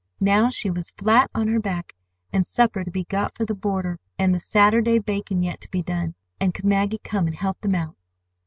Now she was flat on her back, and supper to be got for the boarder, and the Saturday baking yet to be done. And could Maggie come and help them out?